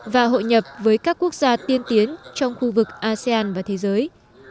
và hội nhập với các quốc gia tiên tiến trong khu vực asean và thế giới